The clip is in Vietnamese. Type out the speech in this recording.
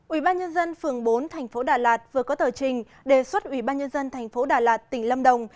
ủy ban nhân dân phường bốn thành phố đà lạt vừa có tờ trình đề xuất ủy ban nhân dân tp đà lạt tỉnh lâm đồng